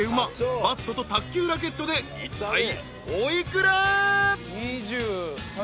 バットと卓球ラケットでいったいお幾ら？］